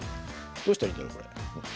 どうしたらいいんだろうこれ。